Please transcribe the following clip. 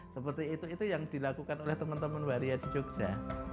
seperti itu itu yang dilakukan oleh teman teman waria di jogja